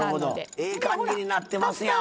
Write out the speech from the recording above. ええ感じになってますやん！